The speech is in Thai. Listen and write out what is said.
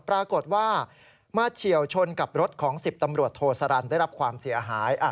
ปรากฏว่ามาเฉียวชนกับรถของ๑๐ตำรวจโทสรรได้รับความเสียหาย